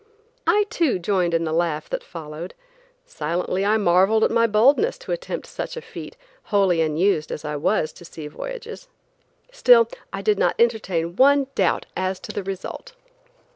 I too joined in the laugh that followed. Silently I marveled at my boldness to attempt such a feat wholly unused, as I was, to sea voyages. Still I did not entertain one doubt as to the result.